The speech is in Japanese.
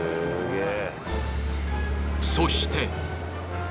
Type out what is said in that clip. ［そして］